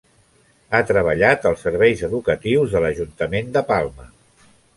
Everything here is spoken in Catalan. Ha treballat als Serveis Educatius de l’Ajuntament de Palma.